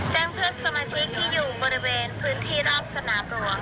เพื่อนสมาชิกที่อยู่บริเวณพื้นที่รอบสนามหลวง